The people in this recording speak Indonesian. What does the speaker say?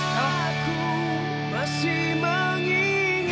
kamu mau pulang